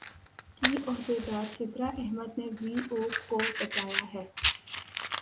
کی عہدیدار سدرا احمد نے وی او کو بتایا ہے